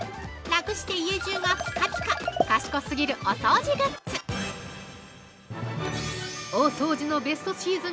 楽して家中がピカピカ賢すぎるお掃除グッズ。